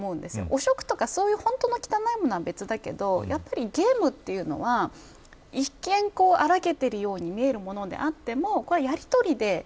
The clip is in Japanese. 汚職とか本当に汚いものは別だけどやっぱりゲームというのは一見、あらけているように見えているものであってもやり取りで。